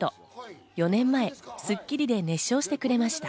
４年前、『スッキリ』で熱唱してくれました。